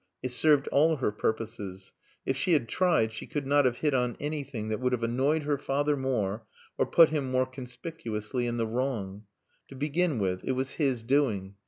It served all her purposes. If she had tried she could not have hit on anything that would have annoyed her father more or put him more conspicuously in the wrong. To begin with, it was his doing.